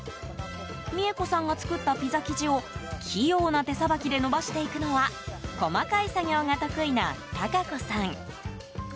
美恵子さんが作ったピザ生地を器用な手さばきで延ばしていくのは細かい作業が得意な孝子さん。